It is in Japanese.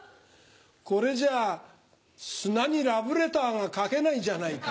これじゃあ砂にラブレターが書けないじゃないか。